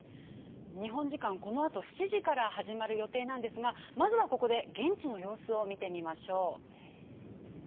日本時間このあと７時から始まる予定なんですがまずはここで現地の様子を見てみましょう。